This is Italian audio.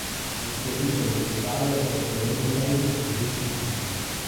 Il suo titolo ufficiale è The Lady Hague of Richmond.